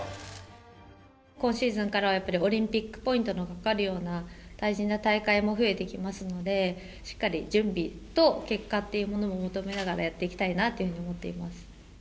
今シーズンからはやっぱりオリンピックポイントのかかるような大事な大会も増えてきますので、しっかり準備と結果というものを求めながらやっていきたいなというふうに思っています。